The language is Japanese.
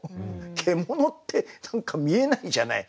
「獣」って何か見えないじゃない。